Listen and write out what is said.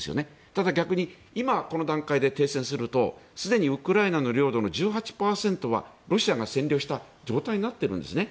ただ、逆に今この段階で停戦するとすでにウクライナの領土の１８％はロシアが占領した状態になっているんですね。